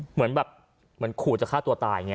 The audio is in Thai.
เหมือนขู่จะฆ่าตัวตายไง